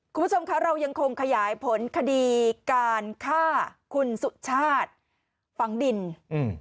คุณผู้ชมคะเรายังคงขยายผลคดีการฆ่าคุณสุชาติฝังดินอืม